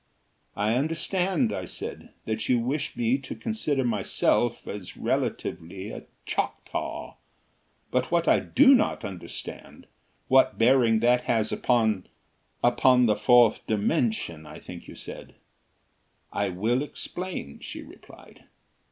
"I understand," I said, "that you wish me to consider myself as relatively a Choctaw. But what I do not understand is; what bearing that has upon upon the Fourth Dimension, I think you said?" "I will explain," she replied.